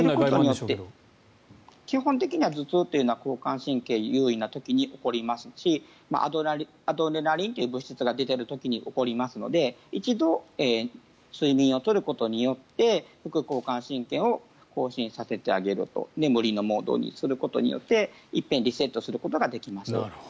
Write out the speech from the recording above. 基本的には頭痛というのは交感神経が優位な時に起こりますしアドレナリンという物質が出ている時に起こりますので一度、睡眠を取ることによって副交感神経を高進させてあげると眠りのモードにすることによって一遍リセットすることができますと。